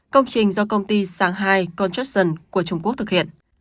công trình do công ty shanghai construction của trung quốc thực hiện